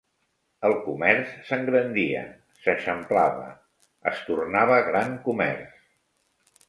El comerç s'engrandia, s'aixamplava, es tornava gran comerç.